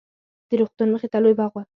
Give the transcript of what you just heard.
د روغتون مخې ته لوى باغ و.